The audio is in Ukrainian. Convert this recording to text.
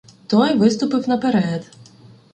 Той виступив наперед: